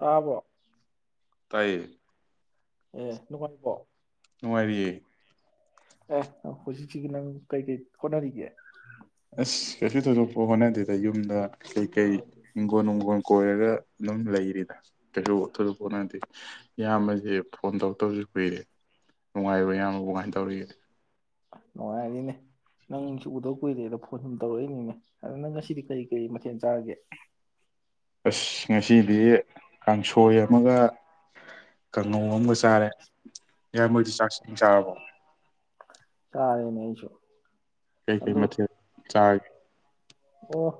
ꯇꯥꯕ ꯇꯥꯏꯌꯦ ꯑꯦ ꯅꯨꯡꯉꯥꯏꯔꯤꯕꯣ ꯅꯨꯡꯉꯔꯤꯌꯦꯌꯦ ꯑꯁꯤ ꯁꯤꯒꯤ ꯅꯪ ꯀꯩ ꯀꯩ ꯍꯣꯠꯅꯔꯤꯒꯦ ꯑ ꯀꯩꯀꯩ ꯍꯤꯡꯒꯣꯜ ꯅꯨꯡꯒꯣꯜ ꯀꯣꯏꯔꯒ ꯑꯗꯨꯝ ꯂꯩꯔꯤꯗ ꯀꯩꯁꯨ ꯊꯨꯗꯄꯠꯅꯗꯤ ꯏꯌꯥꯝꯕꯗꯤ ꯐꯣꯟ ꯇꯧꯔꯛꯇꯕꯁꯨ ꯀꯨꯏꯔꯦ ꯅꯨꯡꯉꯥꯏꯕ ꯏꯌꯥꯝꯕꯕꯨ ꯀꯥꯏꯅ ꯇꯧꯔꯤꯒꯦ ꯅꯨꯡꯉꯥꯏꯔꯔꯤꯅꯦ ꯅꯪꯁꯨ ꯎꯗꯧ ꯀꯨꯏꯗꯦ ꯣ ꯐꯟ ꯁꯨꯝ ꯇꯧꯔꯛꯏꯅꯤꯅꯦ ꯑꯗꯨꯅ ꯅ ꯉꯁꯤꯗꯤ ꯀꯔꯤ ꯀꯔꯤ ꯀꯦꯟ ꯆꯥꯔꯒꯦ ꯑꯁ ꯉꯁꯤꯗꯤ ꯀꯥꯡꯁꯣꯏ ꯑꯃꯒ ꯀꯥꯡꯉꯧ ꯑꯃꯒ ꯆꯥꯔꯦ ꯏꯌꯥꯝꯕꯗꯤ ꯆꯥꯛ ꯏꯁꯤꯡ ꯆꯥꯔꯕꯣ ꯆꯔꯦ ꯅꯁꯨ ꯀꯩ ꯀꯩ ꯃꯔ ꯆꯥ ꯑꯣ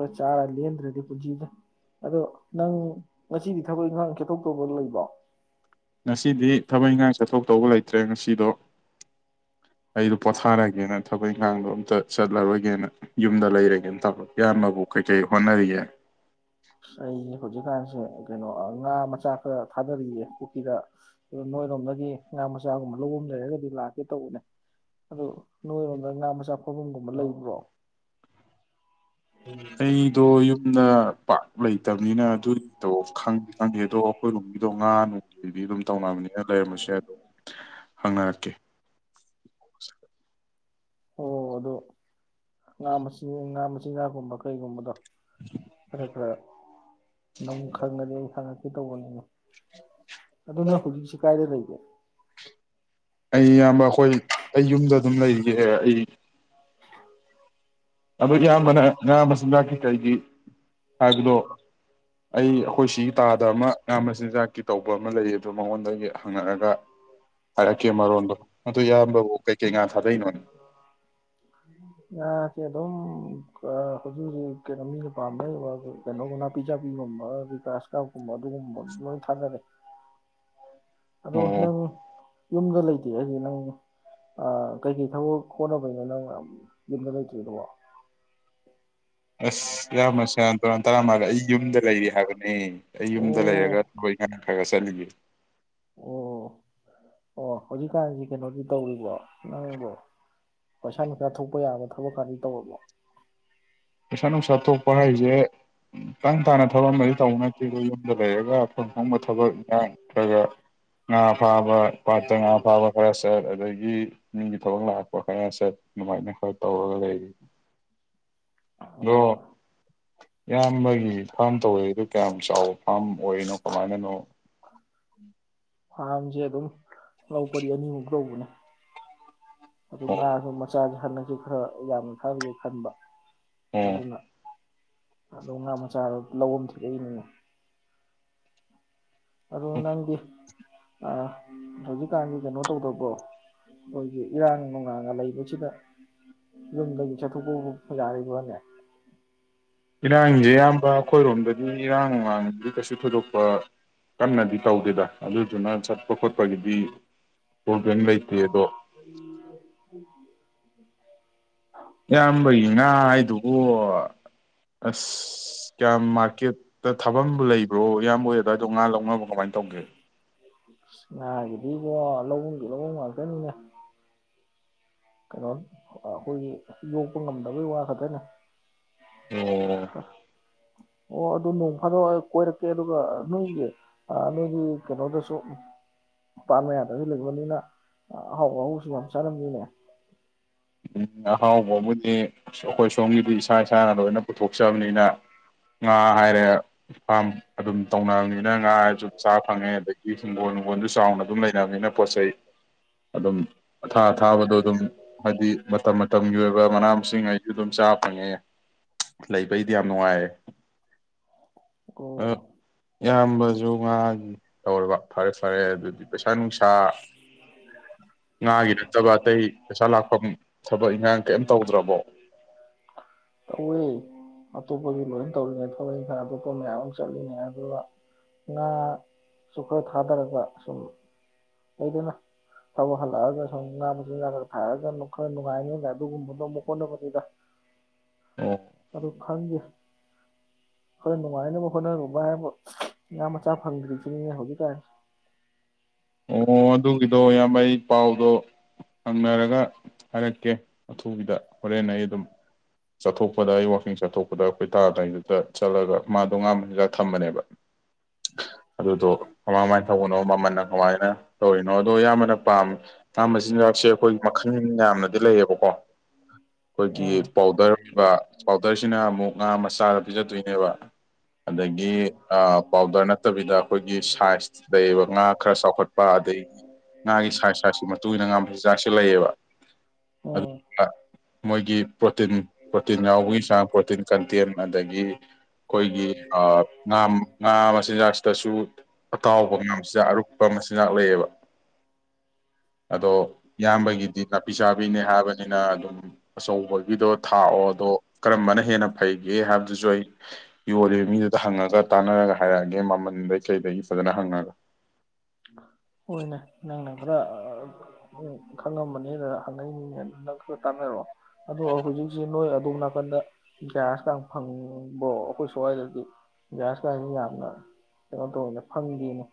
ꯑ ꯆꯥꯔ ꯂꯟ꯭ꯔꯦꯗꯤ ꯄꯨꯟꯖꯤꯗ ꯑꯗꯣ ꯅꯪ ꯉꯁꯤꯗꯤ ꯊꯕꯛ ꯏꯪꯈꯥꯡ ꯆꯦꯛꯊꯣꯛꯇꯧꯕ ꯂꯩꯕꯣ ꯉꯁꯤꯗꯤ ꯊꯕꯛ ꯏꯪꯈꯥꯡ ꯆꯠꯊꯣꯛ ꯇꯧꯕ ꯂꯩꯇ꯭ꯔꯦ ꯉꯁꯤꯗꯣ ꯑꯩꯗꯣ ꯄꯣꯊꯥꯔꯒꯦꯅ ꯊꯕꯛ ꯏꯟꯈꯥꯡꯗꯣ ꯑꯝꯇ ꯆꯠꯂꯔꯣꯏꯒꯦꯅ ꯌꯨꯝꯗ ꯂꯩꯔꯒꯦꯅ ꯇꯧ ꯏꯌꯥꯝꯕꯕꯨ ꯀꯩꯀꯔꯤ ꯍꯣꯠꯅꯔꯤꯒꯦ ꯑꯩꯁꯦ ꯍꯧꯖꯤꯛꯀꯥꯟꯁꯦ ꯀꯩꯅꯣ ꯉꯥ ꯃꯆꯥ ꯈꯔ ꯊꯥꯗꯔꯤꯌꯦꯦ ꯄꯨꯈ꯭ꯔꯤꯗ ꯑꯗꯨ ꯅꯣꯏꯔꯣꯝꯗꯒꯤ ꯉꯥ ꯃꯆꯥꯒꯨꯝꯕ ꯂꯧꯕ ꯑꯃ ꯂꯩꯔꯒꯗꯤ ꯂꯥꯛꯀꯦ ꯇꯧꯕꯅꯦ ꯑꯗꯨ ꯅꯣꯏꯔꯣꯝꯗ ꯉꯥ ꯃꯆꯥ ꯐꯕꯝꯒꯨꯝꯕ ꯂꯩꯕ꯭ꯔꯣ ꯑꯩꯗꯣ ꯌꯨꯝꯗ ꯄꯥꯛ ꯂꯩꯇꯕꯅꯤꯅ ꯑꯗꯨꯒꯤꯗꯣ ꯈꯪꯗꯤ ꯈꯪꯗꯦ ꯑꯗꯣ ꯑꯩꯈꯣꯏ ꯔꯣꯝꯒꯤꯗꯣ ꯉꯥ ꯅꯨꯡꯒꯤꯗꯣ ꯑꯗꯨꯝ ꯇꯧꯅꯕꯅꯤ ꯂꯩꯔꯝꯕꯁꯨ ꯌꯥꯏ ꯑꯗꯨ ꯍꯪꯅꯔꯛꯀꯦ [inaudible] ꯑꯣ ꯑꯗꯣ ꯉꯥ ꯃꯁꯤꯟ ꯉꯥ ꯃꯆꯤꯟ ꯃꯆꯤꯟꯖꯥꯛ ꯒꯨꯝꯕ ꯀꯩꯒꯨꯝꯕꯗꯣ ꯈꯔ ꯈꯔ ꯅꯪ ꯈꯪꯉꯗꯤ ꯍꯪꯉꯛꯀꯦ ꯇꯧꯕꯅꯤꯅ ꯑꯗꯨꯅ ꯍꯧꯖꯤꯛꯁꯤ ꯀꯥꯏꯗ ꯂꯩꯒꯦ ꯑꯩ ꯏꯌꯥꯝꯕ ꯑꯩꯈꯣꯏ ꯑꯩ ꯌꯨꯝꯗ ꯑꯗꯨꯝ ꯂꯩꯔꯤꯒꯦ ꯑꯩ ꯑꯗꯨꯗ ꯌꯥꯝ ꯃ ꯌꯥꯝ ꯃꯁꯥꯛꯀꯤꯦ [inaudible] ꯍꯥꯏꯕꯗꯣ ꯑꯩ ꯑꯩꯈꯣꯏ ꯁꯤꯒꯤ ꯇꯥꯗꯕ ꯑꯃ ꯌꯥꯝꯌꯥꯝ ꯃꯆꯤꯟꯖꯥꯛꯀꯤ ꯇꯧꯕ ꯑ ꯑꯃ ꯂꯩ ꯑꯗꯨ ꯃꯉꯣꯟꯗꯒꯤ ꯍꯪꯉꯛꯑꯒ ꯍꯥꯏꯔꯛꯀꯦ ꯃꯔꯣꯟꯗꯣ ꯑꯗꯨ ꯏꯌꯥꯝꯕꯕꯨ ꯀꯩꯀꯩ ꯉꯥ ꯊꯥꯗꯅꯣꯅꯦ ꯉꯥꯁꯦ ꯑꯗꯨꯝ ꯍꯧꯖꯤꯛ ꯍꯧꯖꯤꯛ ꯀꯩꯅꯣ ꯃꯤꯅ ꯄꯥꯝꯅꯩꯕ ꯀꯩꯅꯣꯒ ꯅꯥꯄꯤ ꯆꯥꯕꯤꯄꯤꯒꯨꯝꯕ ꯑꯗꯩ ꯀ꯭ꯔꯥꯁ ꯀꯥꯞꯀꯨꯝꯕ ꯑꯗꯨꯒꯨꯝꯕ ꯂꯣꯏ ꯊꯥꯖꯔꯦ ꯑꯗꯣ ꯑꯣ ꯅꯪ ꯌꯨꯝꯗ ꯂꯩꯇꯦ ꯍꯥꯏꯗꯤ ꯅꯪ ꯀꯩꯀꯩ ꯊꯕꯛ ꯍꯣꯠꯅꯕꯩꯅꯣ ꯅꯪ ꯌꯨꯝꯗ ꯂꯩꯇ꯭ꯔꯤꯗꯕꯣ ꯑꯁ ꯏꯌꯥꯝꯃꯁꯨ ꯇ ꯇꯔꯥ ꯃꯥꯜꯒ ꯑꯩ ꯌꯨꯝꯗ ꯂꯩꯔꯤ ꯍꯥꯏꯕꯅꯦ ꯑꯩ ꯑꯣ ꯌꯨꯝꯗ ꯂꯩꯔꯒ ꯊꯅ ꯊꯒ ꯆꯠꯒ ꯑꯣ ꯑꯣ ꯍꯧꯖꯤꯛꯀꯥꯟꯁꯤ ꯀꯩꯅꯣꯗꯤ ꯇꯧꯔꯤꯕꯣ ꯅꯪꯕꯣ ꯄꯩꯁꯥ ꯅꯨꯡꯁꯥ ꯊꯣꯛꯄ ꯌꯥꯕ ꯊꯕꯛꯀꯅꯤ ꯇꯧꯔꯕꯣ ꯄꯩꯁꯥ ꯅꯨꯡꯁꯥ ꯊꯣꯛꯄ ꯍꯥꯏꯁꯦ ꯇꯪ ꯇꯥꯅ ꯊꯕꯛ ꯑꯃꯗꯤꯗꯤ ꯇꯧꯕ ꯅꯠꯇꯦ ꯑꯩꯈꯣ ꯌꯨꯝꯗ ꯂꯩꯔꯒ ꯈꯪ ꯐꯪꯕ ꯊꯕꯛ ꯌꯥꯎꯈ꯭ꯔꯒ ꯉꯥ ꯐꯥꯕ ꯄꯥꯠꯇ ꯉꯥ ꯐꯥꯕ ꯈꯔ ꯁꯠ ꯑꯗꯒꯤ ꯃꯤꯒꯤ ꯊꯕꯛ ꯂꯥꯛꯥꯛꯄ ꯈꯔ ꯁꯠ ꯑꯗꯨꯃꯥꯏꯅ ꯈꯔ ꯇꯧꯔꯒ ꯂꯩꯔꯤ ꯑꯗꯣ ꯑꯣ ꯏꯌꯥꯝꯕꯒꯤ ꯐꯥꯝ ꯇꯧꯋꯦ ꯑꯗꯨ ꯀꯌꯥꯝ ꯆꯥꯎꯕ ꯐꯥꯝ ꯑꯣꯏꯅꯨ ꯀꯃꯥꯏꯅꯅꯣ ꯎ ꯐꯥꯝꯖꯤ ꯑꯗꯨꯝ ꯂꯧ ꯄꯔꯤ ꯑꯅꯤꯃꯨꯛ ꯂꯧꯕꯅꯦ ꯑꯗꯨ ꯑꯣ ꯃꯥꯁꯨ ꯃꯆꯥꯁꯨ ꯈꯟꯁꯨ ꯈꯔ ꯌꯥꯝꯅ ꯈꯟꯒꯦ ꯈꯟꯕ ꯑꯣ ꯑꯗꯨꯅ ꯑ ꯎ ꯉ ꯃꯆꯥꯥꯔꯣ ꯂꯧꯔꯝꯁꯤ꯭ꯔꯤꯒꯅꯦ [unintelligible] ꯑꯗꯨ ꯅꯪꯒꯤꯗꯤ ꯑ ꯍꯧꯖꯤꯛꯀꯥꯟꯒꯤ ꯀꯩꯅꯣ ꯇꯧꯗꯕꯣ ꯑꯩꯈꯣꯏꯒꯤ ꯏꯔꯥꯡ ꯅꯨꯡꯂꯥꯡꯒ ꯂꯩꯕꯁꯤꯗ ꯌꯨꯝꯗꯒꯤ ꯆꯠꯊꯣꯛꯄꯐꯧ ꯌꯥꯔꯤꯕ꯭ꯔꯣꯅꯦ ꯏꯔꯥꯡꯖꯦ ꯏꯌꯥꯝꯕ ꯑꯩꯈꯣꯏꯔꯣꯝꯗꯗꯤ ꯏꯔꯥꯡ ꯅꯨꯡꯂꯥꯡꯖꯤꯗ ꯀꯩꯁꯨ ꯊꯣꯏꯗꯣꯛꯄ ꯀꯟꯅꯗꯤ ꯇꯧꯗꯦꯗ ꯑꯗꯨꯗꯨꯅ ꯆꯠꯄ ꯈꯣꯠꯄꯒꯤꯗꯤ ꯄꯔꯣꯕꯂꯦꯝ ꯂꯩꯇꯦꯗ ꯑꯁ ꯑꯁ ꯀꯌꯥꯝ ꯃꯥꯔꯀꯦꯠꯇ ꯊꯥꯐꯝꯕꯨ ꯂꯩꯕ꯭ꯔꯣ ꯏꯌꯥꯝꯕ ꯑꯗꯥꯏꯗꯣ ꯉꯥ ꯂꯧꯅꯕ ꯀꯃꯥꯏꯅ ꯇꯧꯒꯦ ꯉꯥꯒꯤꯗꯤ ꯏꯕꯣ ꯂꯧꯕꯝꯒꯤ ꯂꯧꯕꯝ ꯉꯥꯛꯇꯅꯤꯅꯦ ꯀꯩꯅꯣ ꯑꯩꯈꯣꯏꯒꯤ ꯌꯣꯛꯄ ꯉꯝꯗꯕꯩ ꯋꯥ ꯈꯛꯇꯅꯦ ꯑꯣ [inaudible] ꯑꯣ ꯑꯗꯨ ꯅꯣꯡ ꯐꯥꯗꯣꯛ ꯀꯣꯏꯔꯛꯀꯦ ꯑꯗꯨꯒ ꯅꯣꯏ ꯅꯣꯏꯒꯤ ꯀꯩꯅꯣꯗꯁꯨ ꯄꯥꯠ ꯃꯌꯥꯗꯁꯨ ꯂꯩꯕꯅꯤꯅ ꯑꯍꯥꯎꯕ ꯑꯍꯥꯎꯕꯁꯨ ꯌꯥꯝ ꯆꯥꯔꯝꯃꯤꯅꯦ ꯑꯍꯥꯎꯕꯕꯨꯗꯤ ꯑꯩꯈꯣꯏ ꯁꯣꯝꯒꯤꯗꯤ ꯏꯁꯥ ꯏꯁꯥꯅ ꯂꯣꯏꯅ ꯄꯨꯊꯣꯛꯆꯕꯅꯤꯅ ꯉꯥ ꯍꯥꯏꯔꯦ ꯐꯥꯝ ꯑꯗꯨꯝ ꯇꯧꯅꯕꯅꯤꯅ ꯉꯥꯁꯨ ꯆꯥ ꯐꯪꯉꯦ ꯑꯗꯒꯤ ꯍꯤꯡꯒꯣꯜ ꯍꯨꯝꯒꯣꯜꯁꯨ ꯆꯥꯎꯅ ꯑꯗꯨꯝ ꯂꯩꯅꯕꯅꯤꯅ ꯄꯣꯠ ꯆꯩ ꯑꯗꯨꯝ ꯑ ꯊꯥ ꯊꯥꯕꯗꯣ ꯑꯗꯨꯝ ꯍꯥꯏꯗꯤ ꯃꯇꯝ ꯃꯇꯝꯒꯤ ꯑꯣꯏꯕ ꯃꯅꯥ ꯃꯁꯤꯡꯒꯩꯁꯨ ꯑꯗꯨꯝ ꯆꯥ ꯐꯪꯉꯦ ꯂꯩ ꯑꯗꯨ ꯑꯩꯗꯤ ꯌꯥꯝ ꯅꯨꯡꯉꯥꯏꯌꯦ ꯑꯣ ꯏꯌꯥꯝꯕꯁꯨ ꯉꯥꯒꯤ ꯇꯧꯔꯕ ꯐꯔꯦ ꯐꯔꯦ ꯑꯗꯨꯗꯤ ꯄꯩꯁꯥ ꯅꯨꯡꯁꯥ ꯉꯥꯒꯤ ꯅꯠꯇꯕ ꯑꯇꯩ ꯄꯩꯁꯥ ꯂꯥꯛꯐꯝ ꯊꯕꯛ ꯏꯪꯈꯥꯡ ꯀꯩꯝ ꯇꯧꯗ꯭ꯔꯕꯣ ꯇꯧꯋꯦ ꯑꯇꯣꯞꯄꯒꯤ ꯂꯣꯏ ꯇꯧꯔꯤꯉꯩ ꯊꯕꯛ ꯏꯟꯈꯥꯡ ꯑꯇꯣꯞꯄ ꯃꯌꯥꯝ ꯑꯃ ꯆꯠꯂꯤꯅꯦ ꯑꯗꯨꯒ ꯉꯥꯁꯨ ꯈꯔ ꯊꯥꯗꯔꯒ ꯁꯨꯝ ꯂꯩꯗꯅ ꯊꯕꯛ ꯍꯜꯂꯛꯑꯒ ꯁꯨꯝ ꯉꯥ ꯃꯆꯤꯟꯖꯥꯛ ꯈ ꯊꯥꯔꯒ ꯈꯔ ꯅꯨꯡꯉꯥꯏꯅꯤꯗ ꯑꯗꯨꯒꯨꯝꯕꯗꯣ ꯑꯃꯨꯛ ꯍꯣꯠꯅꯕꯅꯤꯗ ꯑꯣ ꯑꯗꯨ ꯈꯪꯗꯦ ꯈꯔ ꯅꯨꯡꯉꯥꯏꯅꯕ ꯍꯣꯠꯅꯔꯨꯕ ꯍꯥꯏꯕ ꯉꯥ ꯃꯆꯥ ꯐꯪꯗ꯭ꯔꯤꯁꯤꯅꯤꯅꯦ ꯍꯧꯖꯤꯛꯀꯥꯟꯁꯤ ꯑꯣ ꯑꯗꯨꯒꯤꯗꯣ ꯌꯥꯝ ꯃꯩ ꯄꯥꯎꯗꯣ ꯍꯪꯅꯔꯒ ꯍꯥꯏꯔꯛꯀꯦ ꯑꯊꯨꯕꯤꯗ ꯍꯣꯔꯦꯟ ꯑꯩ ꯑꯗꯨꯝ ꯆꯠꯊꯣꯛꯄꯗ ꯑꯩ ꯋꯀꯤꯡ ꯆꯠꯊꯣꯛꯄꯗ ꯑꯩꯈꯣꯏ ꯇꯥꯗ ꯒꯤꯗꯨꯗ ꯆꯠꯂꯒ ꯃꯥꯗꯣ ꯉꯥꯥꯟꯕ ꯍꯤꯟꯖꯥꯛ ꯊꯝꯕꯅꯦꯕ [inaudible] ꯑꯗꯨꯗꯣ ꯀꯃꯥꯡ ꯀꯃꯥꯏꯅ ꯊꯧꯕꯅꯣ ꯃꯃꯜꯅ ꯀꯃꯥꯏꯅ ꯇꯧꯔꯤꯅꯣ ꯑꯗꯣ ꯑꯌꯥꯝꯕꯅ ꯄꯥꯝꯃꯤ ꯉꯥ ꯃꯆꯤꯟꯖꯥꯛꯁꯦ ꯑꯩꯈꯣꯏꯒꯤ ꯃꯈꯜ ꯌꯥꯝꯅꯗꯤ ꯂꯩꯌꯦꯕꯀꯣ ꯎꯝ ꯑꯩꯈꯣꯏꯒꯤ ꯄꯥꯎꯗꯔ ꯄꯕ ꯄꯥꯎꯗꯔꯁꯤꯅ ꯑꯃꯨꯛ ꯉꯥ ꯃꯆꯥꯗ ꯄꯤꯖꯗꯣꯏꯅꯦꯕ ꯑꯗꯒꯤ ꯄꯥꯎꯗꯔ ꯅꯠꯇꯕꯤꯗ ꯑꯩꯈꯣꯌꯒꯤ ꯁꯤꯖꯦ ꯂꯩꯌꯦꯕꯥꯛ ꯈꯔ ꯆꯥꯎꯈꯠꯄ ꯑꯗꯒꯤ ꯉꯥꯒꯤ ꯁꯥꯏꯖ ꯁꯥꯏꯖꯁꯤ ꯃꯇꯨꯡ ꯏꯟꯅ ꯉꯥꯕ ꯆꯤꯟꯖꯥꯛꯁꯨ ꯂꯩꯑꯕ ꯎꯝ ꯃꯣꯏꯒꯤ ꯄ꯭ꯔꯣꯇꯤꯟ ꯄ꯭ꯔꯣꯇꯤꯟ ꯌꯥꯎꯕꯒꯤ ꯆꯥꯡ ꯄ꯭ꯔꯣꯇꯤꯟ ꯀꯟꯇꯦꯟ ꯑꯗꯒꯤ ꯑꯩꯈꯣꯏꯒꯤ ꯉꯥ ꯉꯥ ꯃꯆꯤꯟꯖꯥꯛꯁꯤꯗꯁꯨ ꯑꯇꯥꯎꯕ ꯉꯥ ꯃꯆꯤꯟꯖꯥꯛ ꯑꯨ ꯄꯛꯄ ꯃꯆ ꯉꯥꯛ ꯂꯩꯌꯦꯕ ꯑꯗꯣ ꯏꯌꯥꯝꯕꯒꯤꯗꯤ ꯅꯥꯄꯤ ꯆꯥꯕꯤꯅꯦ ꯍꯥꯏꯕꯅꯤꯅ ꯑꯗꯨꯝ ꯑꯆꯧꯕꯒꯤꯗꯣ ꯊꯥꯛꯑꯣ ꯑꯗꯣ ꯀꯔꯝꯕꯅ ꯍꯦꯟꯅ ꯐꯩꯒꯦ ꯍꯥꯏꯕꯗꯨꯁꯨ ꯑꯩ ꯌꯣꯜꯂꯤꯕ ꯃꯤꯗꯨꯗ ꯍꯪꯉꯒ ꯇꯥꯟꯅꯔꯒ ꯍꯥꯏꯔꯛꯑꯒꯦ ꯃꯃꯟꯗꯩ ꯀꯩꯗꯒꯤ ꯐꯖꯅ ꯍꯪꯉꯒ ꯍꯣꯏꯅꯦ ꯅꯪꯅ ꯈꯔ ꯑꯥ ꯎꯝ ꯈꯪꯉꯝꯕꯅꯤꯅ ꯍꯪꯉꯛꯏꯅꯤꯅꯦ ꯅꯪ ꯈꯔ ꯇꯥꯟꯅꯔꯑꯣ ꯑꯗꯣ ꯍꯧꯖꯤꯛ ꯍꯧꯖꯤꯛ ꯅꯣꯏ ꯑꯗꯣꯝ ꯅ ꯋꯥꯈꯟꯗ ꯒ꯭ꯌꯥꯁꯀ ꯐꯪꯕꯣ ꯑꯩꯈꯣꯏ ꯁ꯭ꯋꯥꯏꯗꯗꯤ ꯒ꯭ꯌꯥꯁꯀꯁꯤꯦ ꯌꯥꯝꯅ ꯀꯩꯅꯣ ꯇꯧꯋꯦꯅ ꯐꯪꯗꯅ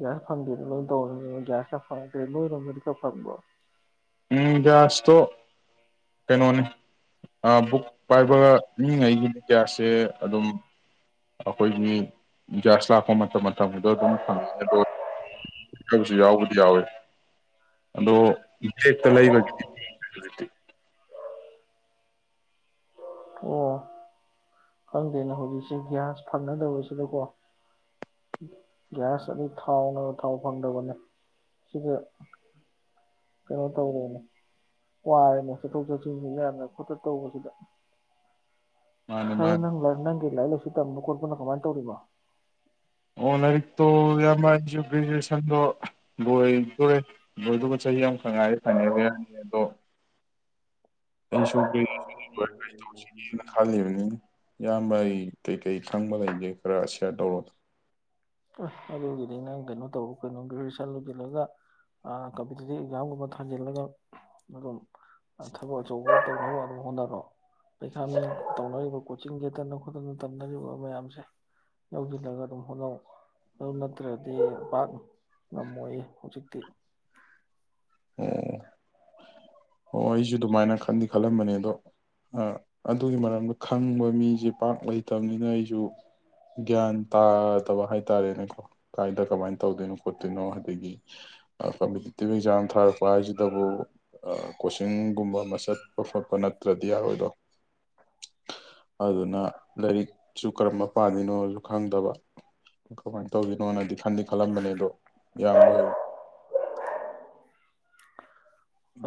ꯒ꯭ꯌꯥꯁ ꯐꯪꯗꯦꯗꯥ ꯂꯣꯏꯅꯥ ꯇꯧꯔ꯭ꯃꯤ ꯒꯦꯗꯥ ꯀ ꯐꯪꯗꯔꯦ ꯂꯣꯏꯔꯣꯝ ꯗꯥꯗꯤ ꯀꯔꯥ ꯐꯪꯕꯔꯣ ꯎꯝ ꯒ꯭ꯌꯥꯁꯇꯣ ꯀꯩꯅꯣꯅꯤ ꯕꯨꯛ ꯄꯥꯏꯕ ꯃꯤꯉꯩꯒꯤꯅꯤ ꯭ꯌꯥꯁꯁꯦ ꯑꯗꯨꯝ ꯑꯩꯈꯣꯏꯒꯤ ꯒ꯭ꯌꯥꯁ ꯂꯥꯛꯄ ꯃꯇꯝ ꯃꯇꯝꯒꯤꯗꯣ ꯑꯗꯨꯝ ꯐꯪꯉꯦ ꯑꯗꯣꯕꯁꯨ ꯌꯥꯎꯕꯗꯤ ꯌꯥꯎꯋꯦ ꯑꯗꯣ ꯕꯦꯛꯇ ꯂꯩꯕꯒꯤꯗꯤꯁꯤꯂꯤꯇꯤ ꯈꯪꯗꯦꯅ ꯍꯧꯖꯤꯛꯁꯦ ꯒ꯭ꯌꯥꯁ ꯐꯪꯅꯗꯕꯁꯤꯗꯀꯣ ꯒ꯭ꯌꯥꯁ ꯑꯗꯨ ꯊꯥꯎꯅ ꯊꯥꯎ ꯐꯪꯗꯕꯅꯦ ꯁꯤꯗ ꯀꯩꯅꯣ ꯇꯧꯔꯦꯅꯦ ꯋꯥꯔꯦꯅꯦ ꯆꯠꯊꯣꯛ ꯆꯠꯁꯤꯟꯁꯤ ꯌꯥꯝꯅ ꯈꯣꯠꯇ ꯇꯧꯕꯁꯤꯗ ꯃꯥꯅꯦ ꯃꯥꯅꯦ ꯒꯤ ꯂꯥꯏꯔꯤꯛ ꯂꯥꯏꯁꯨ ꯇꯝꯕꯣ ꯈꯣꯠꯄꯅ ꯀꯃꯥꯏꯅ ꯇꯧꯔꯤꯕꯣ [unintelligible] ꯒ꯭ꯔꯦꯖꯨꯑꯦꯁꯟꯗꯣ ꯕꯣꯏꯗꯣꯔꯦ ꯕꯣꯏꯗꯨꯒ ꯆꯍꯤ ꯑꯃꯈ ꯉꯥꯏꯦ ꯐꯅꯩ ꯂꯩ ꯌꯥꯅꯤ ꯑꯗꯣ ꯑꯩꯁꯨ ꯂꯣꯏ ꯀ ꯇꯧꯁꯤꯒꯦꯅ ꯈꯜꯂꯤꯕꯅꯤ ꯏꯌꯥꯝꯕ ꯑꯩ ꯀꯩꯀꯩ ꯈꯪꯕ ꯂꯩꯒꯦ ꯈꯔ ꯁꯤꯌꯥꯔ ꯇꯧꯔꯣ ꯑꯗꯩꯅ ꯀꯩꯅꯣ ꯇꯧ ꯀꯩꯅꯣ ꯒ꯭ꯔꯦꯖꯨꯑꯦꯁꯟ ꯒꯤꯂꯣꯗ ꯌꯥ ꯀꯝꯄꯤꯇꯤꯇꯤꯞ ꯑꯦꯛꯖꯥꯝꯒꯨꯝꯕ ꯊꯥꯖꯤꯜꯂꯒ ꯑꯗꯨꯝ ꯑ ꯊꯕꯛ ꯑꯆꯧꯕ ꯇꯧꯅꯕ ꯑꯗꯨ ꯍꯣꯠꯅꯔꯣ ꯄꯩꯁꯥ ꯃꯤ ꯇꯧꯅꯔꯤꯕꯣ ꯌꯦꯠꯇꯅ ꯍꯣꯠꯅꯔꯦꯕꯥ ꯇꯝꯅꯔꯤꯕ ꯃꯌꯥꯝꯁꯦ ꯌꯧꯁꯤꯜꯂꯒ ꯑꯗꯨꯝ ꯍꯣꯠꯅꯧ ꯑꯗꯨ ꯅꯠꯇ꯭ꯔꯗꯤ ꯚꯥꯛ ꯉꯝꯃꯣꯏ ꯍꯧꯖꯤꯛ [inaudible] [inaudible] ꯑꯣ ꯑꯣ ꯑꯩꯁꯨ ꯑꯗꯨꯃꯥꯏꯅ ꯈꯟꯗꯤ ꯈꯜꯝꯕꯅꯤ ꯑꯗꯣ ꯑꯥ ꯑꯗꯨꯒꯤ ꯃꯔꯝꯗ ꯈꯪꯕ ꯃꯤꯁꯤ ꯄꯥꯛ ꯂꯩꯇꯕꯅꯤꯅ ꯑꯩꯁꯨ ꯒ꯭ꯌꯥꯟ ꯇꯥꯗꯕ ꯍꯥꯏꯇꯥꯔꯦꯅꯦꯀꯣ ꯀꯥꯏꯗ ꯀꯃꯥꯏꯅ ꯇꯧꯗꯣꯏꯅꯣ ꯈꯣꯠꯇꯣꯏꯅꯣ ꯑꯗꯒꯤ ꯀꯝꯄꯤꯇꯤꯇꯤꯞ ꯑꯦꯛꯖꯥꯝ ꯊꯥꯔꯛꯄ ꯍꯥꯏꯁꯤꯗꯕꯨ ꯑꯥ ꯀꯣꯆꯤꯡꯒꯨꯝꯕ ꯑꯃ ꯆꯠꯄ ꯈꯣꯠꯄ ꯅꯠꯇ꯭ꯔꯗꯤ ꯌꯥꯔꯣꯏꯗꯣ ꯑꯗꯨꯅ ꯁꯨ ꯀꯔꯝꯕ ꯄꯥꯗꯅꯣꯁꯨ ꯈꯪꯗꯕ ꯀꯃꯥꯏꯅ ꯇꯧꯔꯤꯣꯏꯅꯣꯅꯗꯤ ꯈꯗꯤ ꯈꯜꯂꯝꯕꯅꯦ ꯑꯗꯣ ꯌꯥꯝꯕ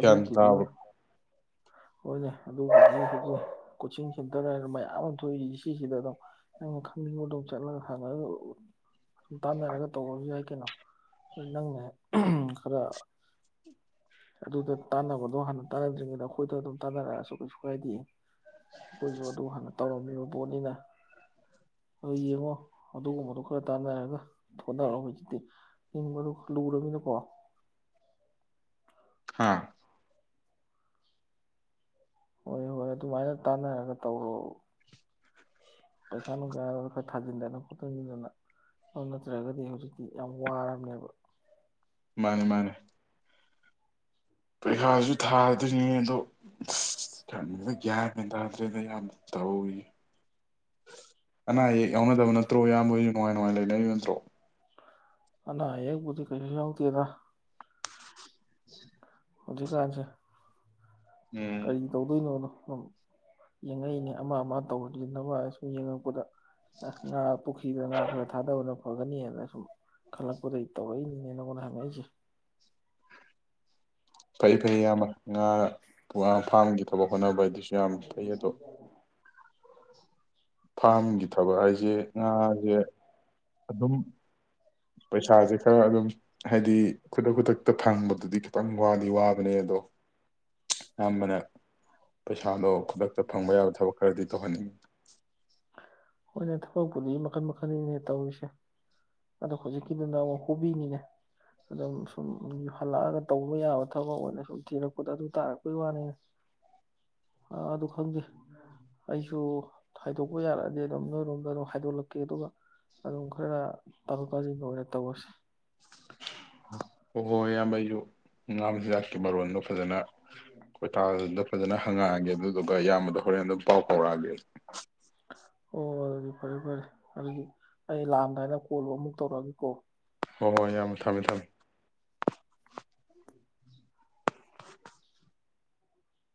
ꯒꯌ꯭ꯥꯟ ꯇꯕꯥ ꯍꯣꯏꯅꯦ ꯑꯗꯨꯕꯨꯗꯤ ꯍꯧꯖꯤꯛ ꯀꯣꯆꯤꯡ ꯁꯦꯟꯇꯔ ꯍꯥꯏꯔ ꯃꯌꯥꯝ ꯑꯃ ꯊꯣꯛꯏ ꯁꯤꯁꯤꯗ ꯑꯗꯨꯝ ꯑ‌ꯣ ꯋꯥꯝ ꯈꯪꯅꯤꯡꯕꯗ‌ꯣ ꯆꯂ ꯍꯥꯏ [unintelligible] ꯁꯨꯝ ꯇꯥꯟꯅꯔꯒ ꯇꯧꯕꯁꯨ ꯌꯥꯏ ꯀꯩꯅꯣ ꯅꯪꯅꯦ ꯈꯔ ꯑꯗꯨꯗ ꯇꯥꯟꯅꯕꯗꯣ ꯍꯥꯟꯅ ꯇꯅ [unintelligible] ꯑꯈ‌ꯣꯏꯗ ꯑꯗꯨꯝ ꯇꯥꯅꯔꯛꯑꯁꯨ ꯀꯩꯁꯨꯀꯥꯏꯗ‌ꯦ ꯑꯩꯈꯣꯏꯁꯨ ꯑꯗꯨ ꯍꯥꯟꯅ ꯇꯧꯔꯝꯃꯤꯕ ꯄꯣꯠꯅꯤꯅ ꯑꯗꯨ ꯌꯦꯡꯉꯣ ꯑꯗꯨꯒꯨꯝꯕꯗꯣ ꯈꯔ ꯇꯥꯅꯔꯒ ꯊꯣꯅꯔꯛꯑꯣ ꯍꯧꯖꯤꯛꯇꯤ ꯍꯤꯡꯕꯗꯨ ꯂꯨꯔꯕꯅꯤꯅꯀꯣ ꯍꯥꯥ ꯍꯣꯏ ꯍꯣꯏ ꯑꯗꯨꯃꯥꯏꯅ ꯇꯥꯅꯔꯒ ꯇꯧꯔꯣ ꯄꯩꯈꯥ ꯅꯨꯡꯁꯥꯒꯗꯨ ꯈꯔ ꯊꯥꯖꯤꯟꯗꯅ ꯈꯣꯠꯇꯟꯁꯤꯟꯗꯅ ꯑꯗꯨ ꯅꯠꯇ꯭ꯔꯒꯗꯤ ꯍꯧꯖꯤꯛ ꯗꯤ ꯌꯥꯝ ꯋꯥꯔꯕꯝꯅꯦꯕ ꯃꯥꯅꯦ ꯃꯥꯅꯦ ꯄꯩꯈꯥꯁꯨ ꯊꯥꯗꯣꯏꯅꯦ ꯑꯗꯣ ꯑꯁ ꯈꯪꯗ꯭ꯔ‌ꯦꯗ ꯒ꯭ꯌꯥꯟ ꯀꯦꯟ ꯇꯥꯗ꯭ꯔꯦꯗ ꯌꯥꯝꯕ ꯇꯧꯔꯤꯁ‌ꯦ ꯑꯅꯥ ꯑꯌꯦꯛ ꯌꯥꯎꯅꯗꯕ ꯅꯠꯇ꯭ꯔꯣ ꯏꯌꯥꯝꯕꯁꯨ ꯅꯨꯡꯉꯥꯏ ꯅꯨꯡꯉꯥꯏ ꯂꯩꯅꯔꯤꯕ ꯅꯠꯇ꯭ꯔꯣ ꯑꯅꯥ ꯑꯌ‌ꯦꯛꯕꯨꯗꯤ ꯀꯩꯁꯨ ꯌꯥꯎꯇ‌ꯦꯗ ꯍꯧꯖꯤꯀꯥꯟꯁ‌ꯦ ꯎꯝ ꯀꯔꯤ ꯇꯧꯗꯣꯏꯅꯣꯅ ꯌꯦꯡꯉꯛꯏꯅꯦ ꯑꯃ ꯑꯃ ꯇꯧꯁꯤꯅꯕ ꯍꯥꯏꯁꯨ ꯌꯦꯡꯉꯛꯄꯗ ꯉꯥ ꯄꯨꯈ꯭ꯔꯤꯗ ꯉ ꯈꯔ ꯊꯥꯗꯧꯅ ꯐꯒꯅꯤꯅ ꯁꯨꯝ ꯈꯜꯂꯛꯄꯗꯩ ꯇꯧꯔꯛꯏꯅꯤꯅꯦꯅꯉꯣꯟꯅ ꯍꯪꯉꯛꯏꯁꯦ ꯐꯩ ꯐꯩ ꯌꯥꯝꯕ ꯉꯥ ꯉꯥꯐꯥꯝꯒꯤ ꯊꯕꯛ ꯍꯣꯠꯅꯕ ꯍꯥꯏꯗꯨꯁꯨ ꯌꯥꯝ ꯐꯩ ꯑꯗꯣ ꯐꯥꯝꯒꯤ ꯊꯕꯛ ꯍꯥꯏꯁꯦ ꯉꯥꯁꯦ ꯑꯗꯨꯝ ꯄꯩꯁꯥꯁꯦ ꯈꯔ ꯑꯗꯨꯝ ꯍꯥꯏꯗꯤ ꯈꯨꯗꯛ ꯈꯨꯗꯛꯇ ꯐꯪꯕꯗꯨꯗꯤ ꯈꯤꯇꯪ ꯋꯥꯗꯤ ꯋꯥꯕꯅꯦ ꯑꯗꯣ ꯌꯝꯕꯅ ꯄꯩꯁꯥꯗꯣ ꯈꯨꯗꯛꯇ ꯐꯪꯕ ꯌꯥꯕ ꯊꯕꯛ ꯈꯔꯗꯤ ꯇꯧꯍꯟꯅꯤꯡꯉꯤ ꯍꯣꯏꯅꯦ ꯊꯕꯛꯄꯨꯗꯤ ꯃꯈꯜ ꯃꯈꯜꯅꯤꯅꯦ ꯇꯧꯔꯤꯁꯦ ꯑꯗꯣ ꯍꯧꯖꯤꯛꯀꯤꯗꯨꯅ ꯑꯃꯨꯛ ꯍꯣꯕꯤꯅꯤꯅꯦ ꯑꯗꯨꯝ ꯁꯨꯝ ꯍꯜꯂꯛꯑꯒ ꯇꯧꯕ ꯌꯥꯕ ꯊꯕꯛ ꯑꯣꯏꯅ ꯁꯨꯝ ꯊꯤꯔꯛꯄꯗ ꯑꯗꯨ ꯇꯔꯛꯄꯩꯋꯥꯅꯤꯅ‌ꯦ ꯑꯥ ꯑꯗꯨ ꯈꯪꯗꯦ ꯑꯩꯁꯨ ꯈꯥꯏꯗꯣꯛꯄ ꯌꯥꯔꯛꯑꯗꯤ ꯑꯗꯨꯝ ꯅꯣꯏꯔꯣꯝꯗ ꯑꯗꯨꯝ ꯍꯥꯏꯗꯣꯛꯂꯛꯀꯦ ꯑꯗꯨꯒ ꯑꯗꯨꯝ ꯈꯔ ꯇꯥꯊ‌ꯣꯛ ꯇꯥꯖꯤꯟꯕ ꯑꯣꯏꯅ ꯇꯧꯔꯁꯤ ꯍꯣꯏ ꯍꯣꯏ ꯏꯌꯥꯝꯕ ꯑꯩꯁꯨ ꯉꯥ ꯃ ꯆꯗꯥꯛꯀꯤ ꯃꯔꯣꯟꯗꯣ ꯐꯖꯅ ꯀꯣꯏ ꯊꯥ ꯅ ꯐꯖꯅ ꯍꯪꯉꯛꯑꯒꯦ ꯑꯗꯨꯗꯨꯒ ꯏꯌꯥꯝꯕꯗ ꯍꯣꯔꯦꯟ ꯑꯗꯨꯝ ꯄꯥꯎ ꯐꯥꯎꯔꯛꯑꯒꯦ ꯑꯣ ꯐꯔꯦꯕꯔꯦ ꯑꯗꯨꯒꯤ ꯑꯩ ꯂꯥꯝꯗꯥꯏꯅ ꯀꯣꯜꯂ ꯑꯃꯨꯛ ꯇꯧꯔꯒ ꯀꯣ ꯍꯣꯏ ꯍꯣꯏ ꯌꯥꯝ ꯊꯝꯃꯦ ꯊꯝꯃꯦ [unintelligible]